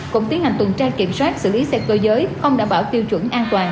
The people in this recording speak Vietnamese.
cũng tiến hành tuần tra kiểm soát xử lý xe cơ giới không đảm bảo tiêu chuẩn an toàn